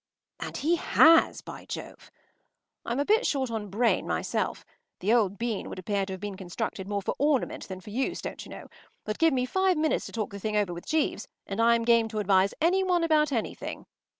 ” And he has, by Jove! I’m a bit short on brain myself; the old bean would appear to have been constructed more for ornament than for use, don’t you know; but give me five minutes to talk the thing over with Jeeves, and I’m game to advise any one about anything.